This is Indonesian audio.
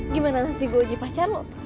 gimana nanti gue jadi pacar lo